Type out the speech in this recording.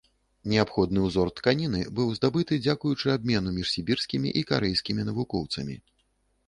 Неабходны ўзор тканіны быў здабыты дзякуючы абмену між сібірскімі і карэйскімі навукоўцамі.